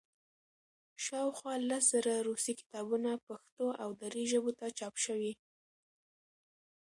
شاوخوا لس زره روسي کتابونه پښتو او دري ژبو ته چاپ شوي.